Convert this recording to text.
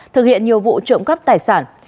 thực hiện nhiều vụ trộm cắp tài sản